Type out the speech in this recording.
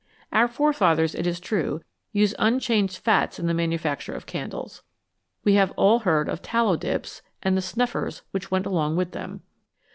Our forefathers, it is true, used unchanged fats in the manufacture of candles ; we have all heard of " tallow dips," and the " snuffers " which went along with them.